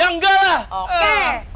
ya enggak lah